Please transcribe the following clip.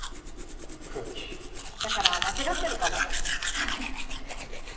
だから間違ってるかもフフ。